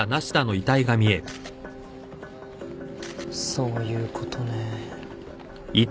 そういうことね。